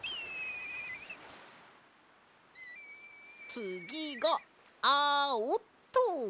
つぎがあおっと！